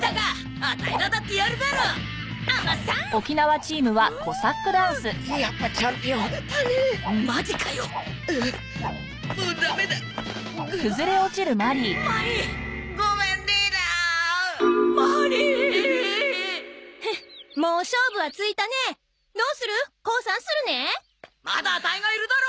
まだアタイがいるだろ！